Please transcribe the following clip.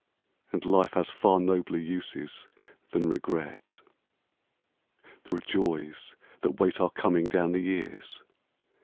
And life has far nobler uses Than regret. There are joys that wait our coming Down the years.